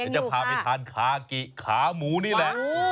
จะพาไปทานคากิขาหมูนี่แหละ